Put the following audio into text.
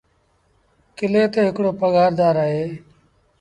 ڪلي تي هڪڙو پگھآر دآر اهي۔